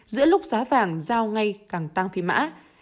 giữa lúc giá vàng giao ngay càng tăng phi mã